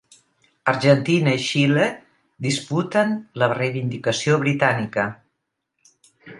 Argentina i Xile disputen la reivindicació britànica.